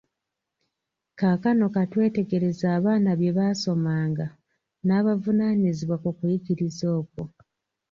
Kaakano ka twetegereze abaana bye baasomanga n’abavunaanyizibwa ku kuyigiriza okwo.